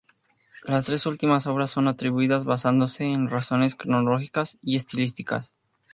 Las tres últimas obras son atribuidas, basándose en razones cronológicas y estilísticas.